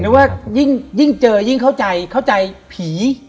ว่ายิ่งเจอยิ่งเข้าใจเข้าใจผี